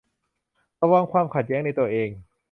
ระวังความขัดแย้งในตัวเอง